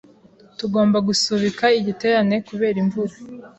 Tugomba gusubika igiterane kubera imvura.